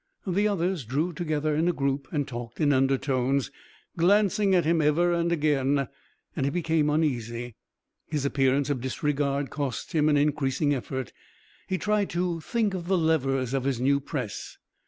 The others drew together in a group and talked in undertones, glancing at him ever and again. He became uneasy. His appearance of disregard cost him an increasing effort. He tried to think of the levers of his new press.